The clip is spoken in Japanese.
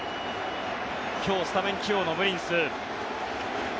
今日スタメン起用のムリンス。